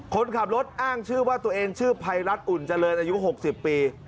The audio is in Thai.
คนขับรถอ้างชื่อว่าตัวเองชื่อภัยรัฐอุ่นเจริญอายุ๖๐ปี